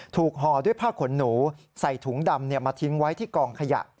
ห่อด้วยผ้าขนหนูใส่ถุงดำมาทิ้งไว้ที่กองขยะ